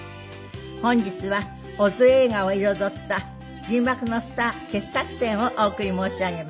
本日は小津映画を彩った銀幕のスター傑作選をお送り申し上げます。